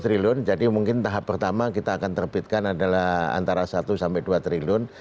tiga triliun jadi mungkin tahap pertama kita akan terbitkan adalah antara satu sampai dua triliun